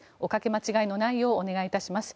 おかけ間違いのないようお願いいたします。